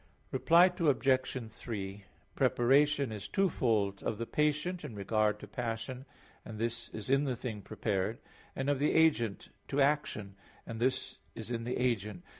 Reply Obj. 3: Preparation is twofold: of the patient in respect to passion and this is in the thing prepared; and of the agent to action, and this is in the agent.